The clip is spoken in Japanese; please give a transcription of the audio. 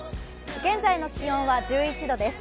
現在の気温は１１度です。